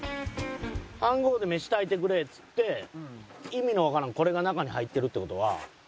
飯ごうで飯炊いてくれっつって意味のわからんこれが中に入ってるって事は。